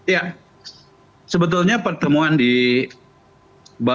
ya sebetulnya pertemuan di bali